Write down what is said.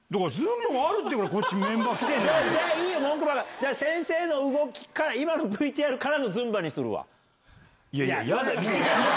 じゃあ先生の動きから今のＶＴＲからのズンバにするわ。